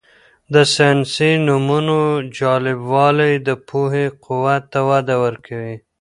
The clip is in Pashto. د ساینسي نومونو جالبوالی د پوهې قوت ته وده ورکوي.